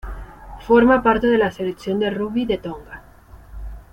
Forma parte de la selección de rugby de Tonga.